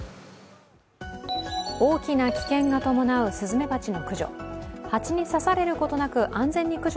大きな危険が伴うスズメバチの駆除。